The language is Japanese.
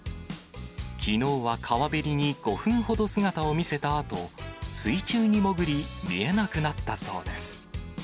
きのうは川べりに５分ほど姿を見せたあと、水中に潜り、見えなくなったそうです。